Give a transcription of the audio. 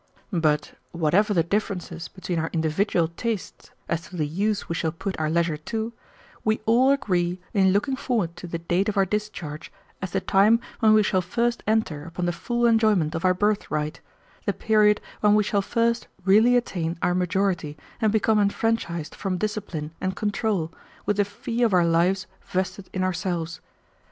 But, whatever the differences between our individual tastes as to the use we shall put our leisure to, we all agree in looking forward to the date of our discharge as the time when we shall first enter upon the full enjoyment of our birthright, the period when we shall first really attain our majority and become enfranchised from discipline and control, with the fee of our lives vested in ourselves.